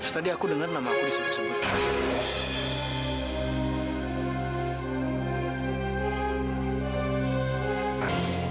tadi aku dengar nama aku disebut sebut